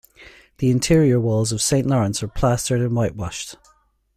The interior walls of St Lawrence are plastered and whitewashed.